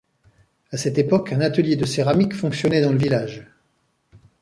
À cette époque un atelier de céramique fonctionnait dans le village.